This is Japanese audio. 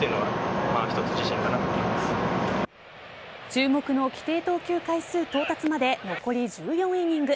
注目の規定投球回数到達まで残り１４イニング。